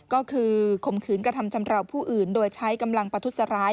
ก็คือข่มขืนกระทำชำราวผู้อื่นโดยใช้กำลังประทุษร้าย